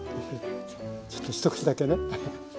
ちょっと一口だけね。